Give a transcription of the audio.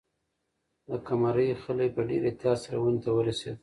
د قمرۍ خلی په ډېر احتیاط سره ونې ته ورسېد.